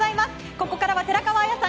ここからは寺川綾さん